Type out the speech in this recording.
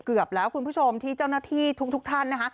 เกือบแล้วคุณผู้ชมที่เจ้าหน้าที่ทุกท่านนะคะ